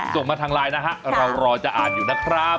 ส่งมาทางไลน์นะฮะเรารอจะอ่านอยู่นะครับ